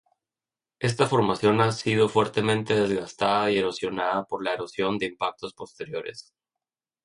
Esta formación ha sido fuertemente desgastada y erosionada por la erosión de impactos posteriores.